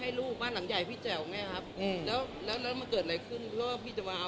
ลูกบ้านหลังใหญ่พี่แจ๋วไงครับอืมแล้วแล้วมันเกิดอะไรขึ้นก็พี่จะมาเอา